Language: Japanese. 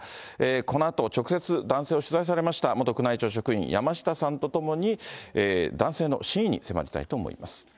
このあと直接、男性を取材されました、元宮内庁職員、山下さんとともに男性の真意に迫りたいと思います。